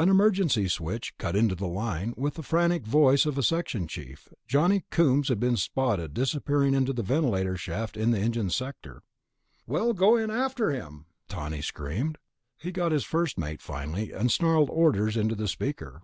An emergency switch cut into the line, with the frantic voice of a section chief. Johnny Coombs had been spotted disappearing into the ventilator shaft in the engine sector. "Well, go in after him!" Tawney screamed. He got his first mate finally, and snarled orders into the speaker.